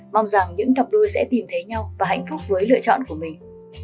mong rằng những cặp đôi sẽ tìm thấy nhau và hạnh phúc với lựa chọn của mình